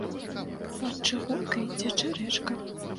Пад чыгункай цячэ рэчка.